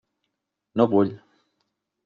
No vull.